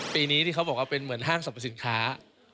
ปีนี้ที่เขาบอกว่าเป็นเหมือนห้างสรรพสินค้า